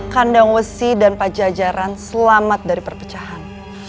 kandang wesi dan pak jajaran selamat dari perpecahan